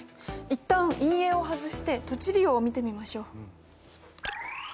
一旦陰影を外して土地利用を見てみましょう。